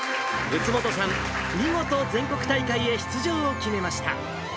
宇津本さん、見事、全国大会へ出場を決めました。